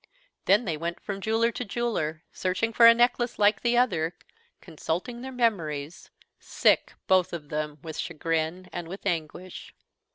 Then they went from jeweler to jeweler, searching for a necklace like the other, consulting their memories, sick both of them with chagrin and with anguish.